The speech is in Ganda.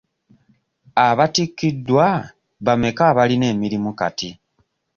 Abattikiddwa bameka abalina emirimu kati?